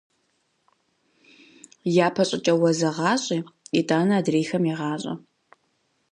Япэ щӏыкӏэ уэ зэгъащӏи итӏанэ адрейхэм егъащӏэ.